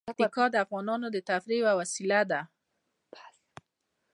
پکتیکا د افغانانو د تفریح یوه وسیله ده.